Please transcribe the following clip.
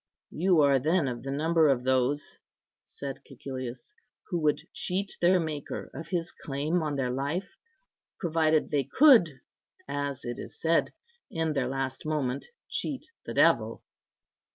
"You are, then, of the number of those," said Cæcilius, "who would cheat their Maker of His claim on their life, provided they could (as it is said) in their last moment cheat the devil."